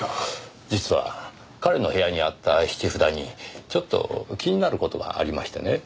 実は彼の部屋にあった質札にちょっと気になる事がありましてね。